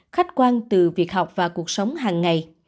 khách quan từ việc học và cuộc sống hàng ngày